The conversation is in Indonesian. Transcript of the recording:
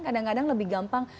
kadang kadang lebih gampang